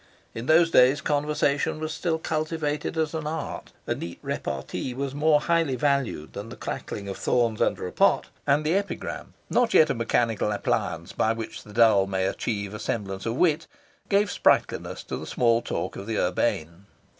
In those days conversation was still cultivated as an art; a neat repartee was more highly valued than the crackling of thorns under a pot; and the epigram, not yet a mechanical appliance by which the dull may achieve a semblance of wit, gave sprightliness to the small talk of the urbane.